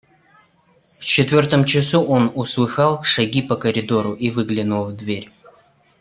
В четвертом часу он услыхал шаги по коридору и выглянул в дверь.